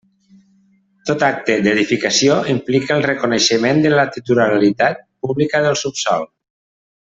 Tot acte d'edificació implica el reconeixement de la titularitat pública del subsòl.